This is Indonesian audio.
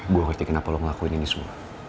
gue ngerti kenapa lo ngelakuin ini semua